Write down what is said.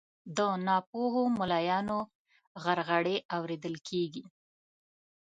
د ناپوهو ملایانو غرغړې اورېدل کیږي